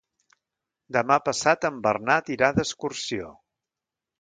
Demà passat en Bernat irà d'excursió.